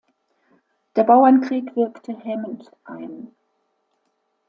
Der Bauernkrieg wirkte hemmend ein.